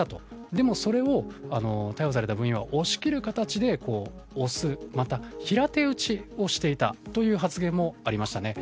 でも、それを逮捕された部員は押し切る形で押すまた平手打ちをしていたという発言もありました。